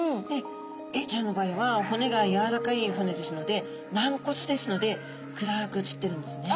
エイちゃんの場合は骨がやわらかい骨ですので軟骨ですので暗く写ってるんですね。